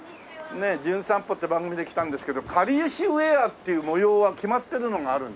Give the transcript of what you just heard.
『じゅん散歩』って番組で来たんですけどかりゆしウェアっていう模様は決まってるのがあるんですか？